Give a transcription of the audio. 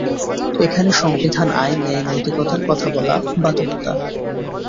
এখানে সংবিধান, আইন, ন্যায় নৈতিকতার কথা বলা বাতুলতা।